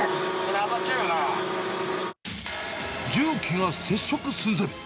重機が接触寸前。